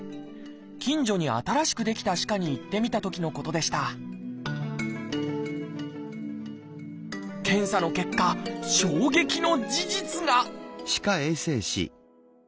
近所に新しく出来た歯科に行ってみたときのことでした検査の結果ええ！ってどういうこと！？